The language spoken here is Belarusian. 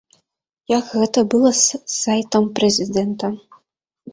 Як гэта было з сайтам прэзідэнта.